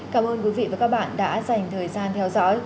cảm ơn quý vị và các bạn đã dành thời gian theo dõi